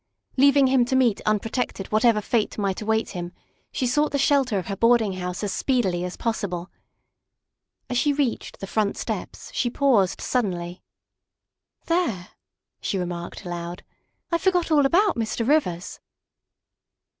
Leaving him to meet unprotected whatever fate might await him, she sought the shelter of her boarding house as speedily as possible. As she reached the front steps she paused suddenly. THE SECRETARY OF STATE 195 " There," she remarked aloud, " I forgot all about Mr. Rivers."